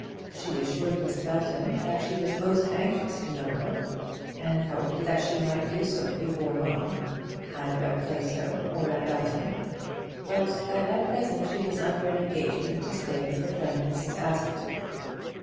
She assured Miss Belton that she was most anxious to know her, and hoped that she might do so before long, either at Plaistow or at Belton; but that at present she was under an engagement to stay with her friend Mrs. Askerton.